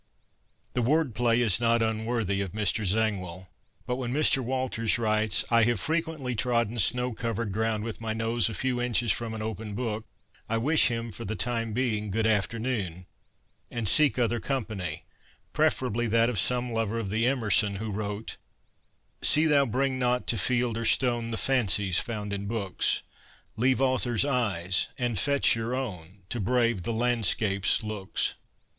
The word play is not unworthy of Mr. Zangwill ; but when Mr. Walters writes, ' I have frequently trodden snow covered ground with my nose a few inches from an open book,' I wish him, for the time being, ' Good afternoon ' and seek other company, preferably that of some lover of the Emerson who wrote : See thou bring not to field or stone The fancies found in books, Leave authors' eyes, and fetch your own To brave the landscape's looks.